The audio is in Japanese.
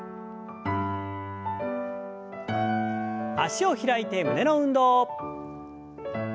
脚を開いて胸の運動。